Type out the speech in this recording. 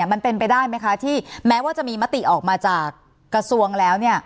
มันเป็นไปได้ไหมคะที่แม้ว่าจะมีมติออกมาจากกระทรวงแล้ว